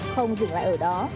không dừng lại ở đó